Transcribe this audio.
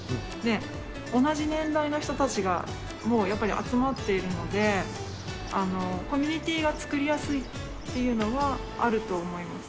同じ年代の人たちがもうやっぱり集まっているので、コミュニティーが作りやすいっていうのはあると思います。